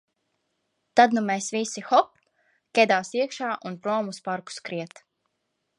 Tad nu mēs visi – hop – kedās iekšā un prom uz parku skriet.